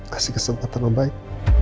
kasih kesempatan om baik